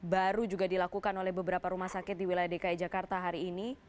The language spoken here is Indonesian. baru juga dilakukan oleh beberapa rumah sakit di wilayah dki jakarta hari ini